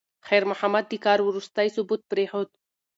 خیر محمد د کار وروستی ثبوت پرېښود.